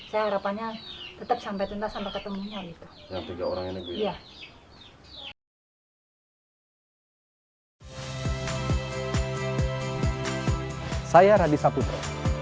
saya harapannya tetap sampai tuntas sampai ketemu